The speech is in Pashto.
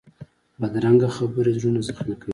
بدرنګه خبرې زړونه زخمي کوي